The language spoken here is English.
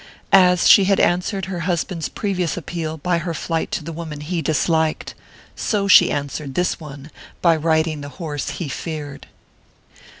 As she had answered her husband's previous appeal by her flight to the woman he disliked, so she answered this one by riding the horse he feared....